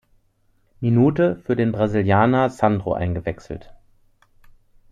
Minute für den Brasilianer Sandro eingewechselt.